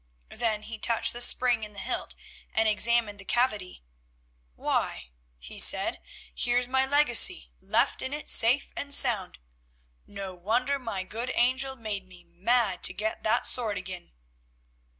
Then he touched the spring in the hilt and examined the cavity. "Why," he said, "here's my legacy left in it safe and sound. No wonder my good angel made me mad to get that sword again."